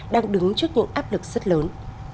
đang đứng trước những áp lực rất lớn